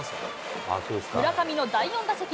村上の第４打席。